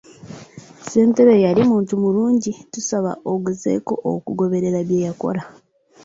Ssentebe yali muntu mulungi tusaba ogezeeko okugoberera bye yakola.